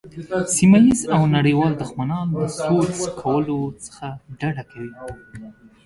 سیمه ییز او نړیوال دښمنان له سوچ کولو څخه ډډه کوي.